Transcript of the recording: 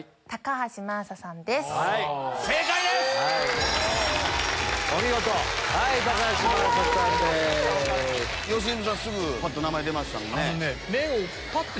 良純さんすぐぱっと名前出ましたもんね。